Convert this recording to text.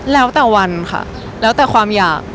แล้วแต่วันค่ะแล้วแต่ความอยาก